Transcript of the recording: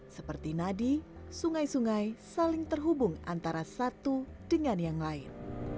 seperti nadi sungai sungai saling terhubung antara satu dengan yang lain